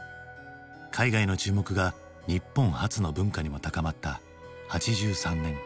海外の注目が日本発の文化にも高まった８３年。